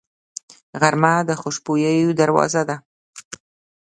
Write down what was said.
غرمه د خوشبویو دروازه ده